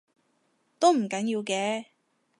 都唔緊要嘅